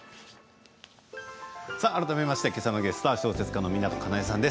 改めましてきょうのゲストは小説家の湊かなえさんです。